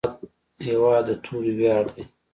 هېواد د توري ویاړ دی.